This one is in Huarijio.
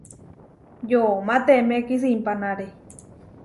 Yomá temé kisimpánare.